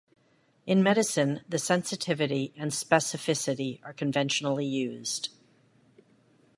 In medicine, the sensitivity and specificity are conventionally used.